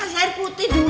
tangan air putih dulu